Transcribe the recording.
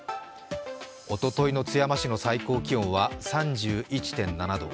おとといの津山市の最高気温は３１．７度。